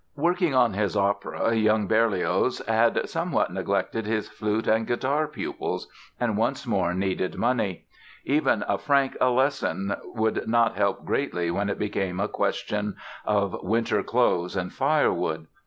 Working on his opera young Berlioz had somewhat neglected his flute and guitar pupils and once more needed money. Even a franc a lesson would not help greatly when it became a question of winter clothes and firewood.